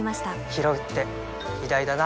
ひろうって偉大だな